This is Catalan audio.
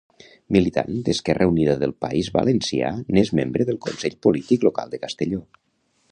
Militant d'Esquerra Unida del País Valencià, n'és membre del consell polític local de Castelló.